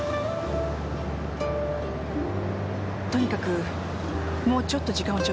とにかくもうちょっと時間をちょうだい。